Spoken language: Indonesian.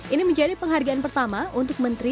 ini menjadi penghargaan pertama untuk menteri